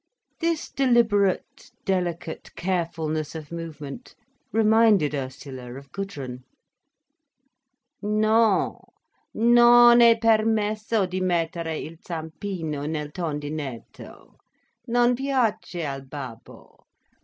This deliberate, delicate carefulness of movement reminded Ursula of Gudrun. "_No! Non è permesso di mettere il zampino nel tondinetto. Non piace al babbo.